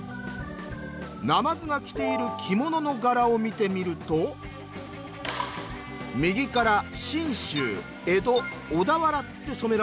なまずが着ている着物の柄を見てみると右から「信州」「江戸」「小田原」って染められています。